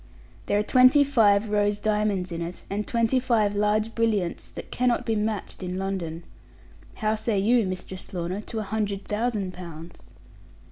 'There are twenty five rose diamonds in it, and twenty five large brilliants that cannot be matched in London. How say you, Mistress Lorna, to a hundred thousand pounds?'